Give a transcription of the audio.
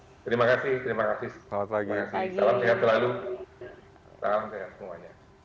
terima kasih terima kasih selamat pagi salam sehat selalu salam sehat semuanya